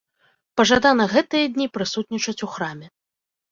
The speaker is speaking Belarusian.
Пажадана гэтыя дні прысутнічаць у храме.